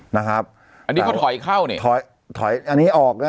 นะครับอันนี้เขาถอยเข้านี่ถอยถอยอันนี้ออกนะ